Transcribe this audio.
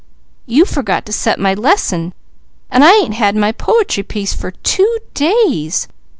"You forgot to set my lesson, an' I ain't had my po'try piece for two days.